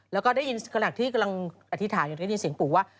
แล้วก็ได้ยินขณะที่กำลังอธิษฐานอยู่ได้ยินเสียงปู่ว่า